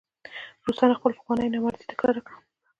روسانو خپله پخوانۍ نامردي تکرار کړه.